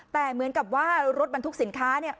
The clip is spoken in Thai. แต่เหมือนกับว่ารถบรรทุกสินค้าเนี่ย